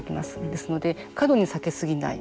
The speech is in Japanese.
ですので、過度に避け過ぎない。